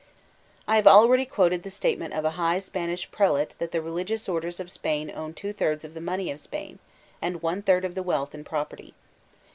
I have already quoted the statement of a high Spanish prelate that the religious orders of Spain own two thirds of the money of Spain, and one diird of the wealth in property.